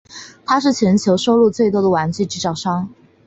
它是全球收入最多的玩具制造商。